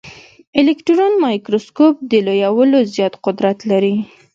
الکټرون مایکروسکوپ د لویولو زیات قدرت لري.